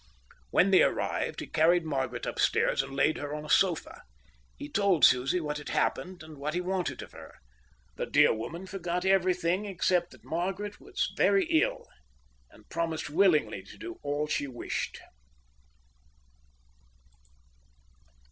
When they arrived, he carried Margaret upstairs and laid her on a sofa. He told Susie what had happened and what he wanted of her. The dear woman forgot everything except that Margaret was very ill, and promised willingly to do all he wished.